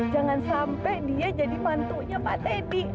jangan sampai dia jadi mantunya pak teddy